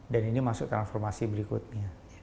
dan ini masuk dalam formasi berikutnya